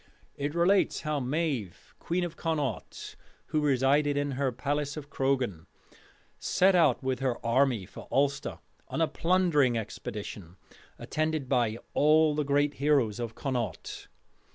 It relates how Maive, queen of Connaught, who resided in her palace of Croghan, set out with her army for Ulster on a plundering expedition, attended by all the great heroes of Connaught.